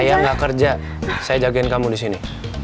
saya gak kerja saya jagain kamu disini